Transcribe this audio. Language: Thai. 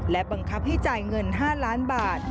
และบังคับให้จ่ายเงิน๕ล้านบาท